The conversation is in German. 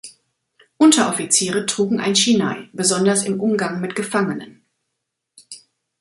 Unteroffiziere trugen ein Shinai, besonders im Umgang mit Gefangenen.